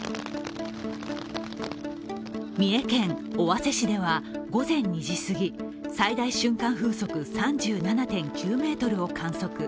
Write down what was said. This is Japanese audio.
三重県尾鷲市では午前２時すぎ、最大瞬間風速３７．９メートルを観測。